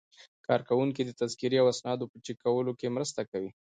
کارکوونکي د تذکرې او اسنادو په چک کولو کې مرسته کوي.